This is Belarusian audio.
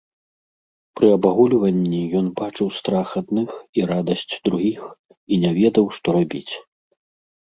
Пры абагульванні ён бачыў страх адных і радасць другіх і не ведаў, што рабіць.